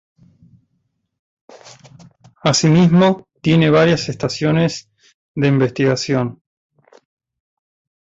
Así mismo, tiene varias estaciones de investigación.